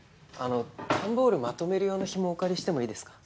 段ボールまとめる用のひもお借りしてもいいですか？